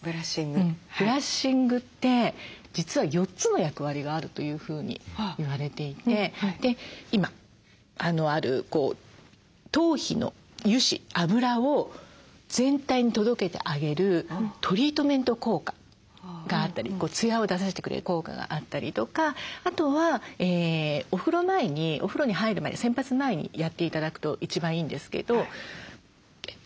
ブラッシングって実は４つの役割があるというふうに言われていて今ある頭皮の油脂脂を全体に届けてあげるトリートメント効果があったりツヤを出させてくれる効果があったりとかあとはお風呂前にお風呂に入る前に洗髪前にやって頂くと一番いいんですけどクレンジング効果。